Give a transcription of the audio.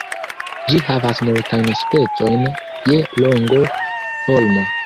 Ĝi havas multajn specojn je longo, formo.